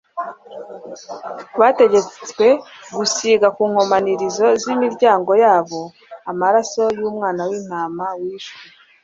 bategetswe gusiga ku nkomanizo z'imiryango yabo amaraso y'umwana w'intama wishwe